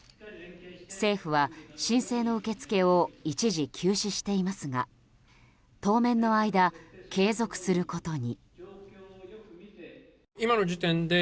政府は申請の受け付けを一時休止していますが当面の間、継続することに。